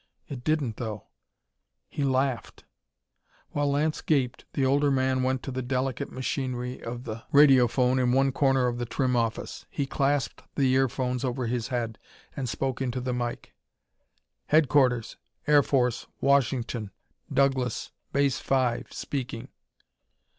It didn't, though. He laughed! While Lance gaped, the older man went to the delicate machinery of the radiophone in one corner of the trim office. He clasped the earphones over his head, and spoke into the mike: "Headquarters, Air Force, Washington, Douglas, Base 5, speaking."